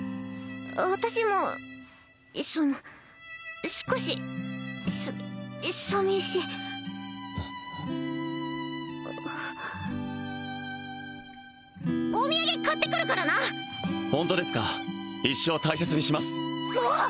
私もその少しささみしお土産買ってくるからなホントですか一生大切にしますんあっ